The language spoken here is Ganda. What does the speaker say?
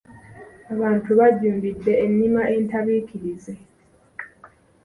Abantu bajjumbidde ennima entabiikirize.